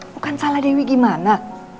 bukan salah dewi gimana